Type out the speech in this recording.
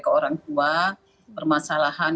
ke orang tua permasalahan